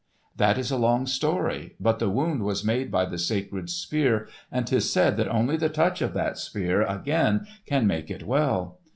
"That is a long story. But the wound was made by the sacred Spear, and 'tis said that only the touch of that Spear again can make it well."